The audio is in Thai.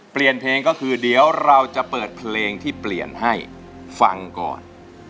เปลี่ยนเพลงก็คือเดี๋ยวเราจะเปิดเพลงที่เปลี่ยนให้ฟังก่อน